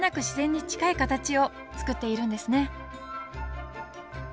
自然に近い形を作っているんですね